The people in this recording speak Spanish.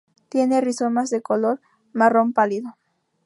Tiene rizomas de color marrón pálido.